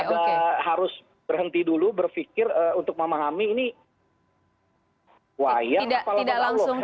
ada harus berhenti dulu berpikir untuk memahami ini wayang palembang allah